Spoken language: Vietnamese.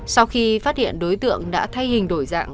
sau khi phát hiện đối tượng đã thay hình đổi dạng